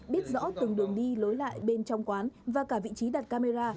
biết rõ từng đường đi lối lại bên trong quán và cả vị trí đặt camera